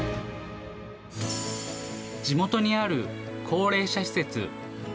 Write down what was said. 地元にある高齢者施設。